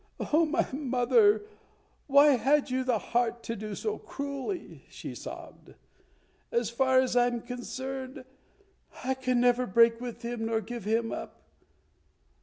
"Oh, my mother, why had you the heart to do so cruelly?" she sobbed. "As far as I am concerned I can never break with him nor give him up.